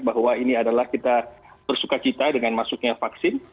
bahwa ini adalah kita bersuka cita dengan masuknya vaksin